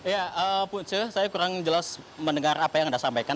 ya punca saya kurang jelas mendengar apa yang anda sampaikan